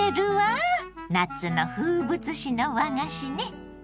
夏の風物詩の和菓子ね。